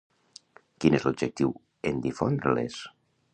Quin és lobjectiu en difondre-les?